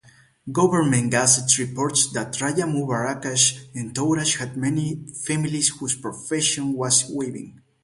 Government gazettes report that Raja Mubaraksha's entourage had many families whose profession was weaving.